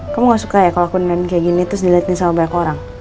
kamu gak suka ya kalo aku nganin kayak gini terus diliatin sama banyak orang